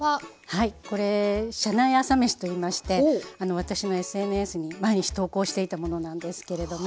はいこれ車内朝飯といいまして私のＳＮＳに毎日投稿していたものなんですけれども。